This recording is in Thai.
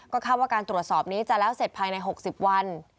คาดว่าการตรวจสอบนี้จะแล้วเสร็จภายใน๖๐วัน